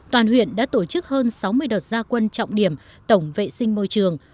toàn huyện đã tổ chức hơn sáu mươi đợt gia quân trọng điểm tổng vệ sinh môi trường